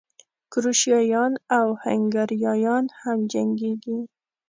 کروشیایان او هنګریایان هم جنګېږي.